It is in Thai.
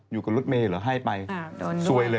อยู่กับรถเมย์เหรอห้ายไปโดนด้วยซวยเลย